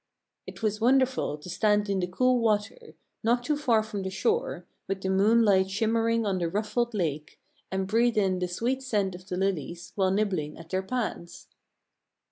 It was wonderful to stand in the cool water, not too far from the shore, with the moonlight shimmering on the ruffled lake, and breathe in the sweet scent of the lilies while nibbling at their pads.